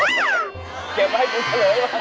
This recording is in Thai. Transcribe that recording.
เก็บไปให้ถูกกระโลกะ